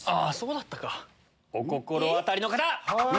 あそうだったか。お心当たりの方！